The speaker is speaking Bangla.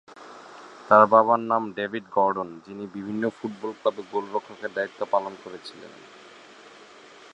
তার বাবার নাম ডেভিড গর্ডন, যিনি বিভিন্ন ফুটবল ক্লাবে গোলরক্ষকের দায়িত্ব পালন করেছিলেন।